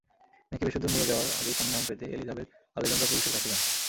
মেয়েকে বেশি দূর নিয়ে যাওয়ার আগেই সন্ধান পেতে এলিজাবেথ-আলেজান্দ্রা পুলিশের কাছে যান।